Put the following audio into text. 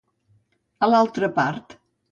A l'altra part.